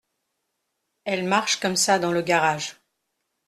Elle marche comme ça dans le garage.